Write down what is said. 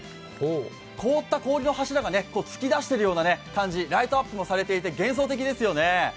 凍った氷の柱が突き出しているような感じ、ライトアップもされていて幻想的ですよね。